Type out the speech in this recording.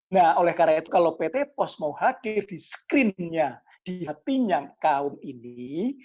nah oleh karena itu kalau pt pos mau hadir di screennya di hatinya kaum ini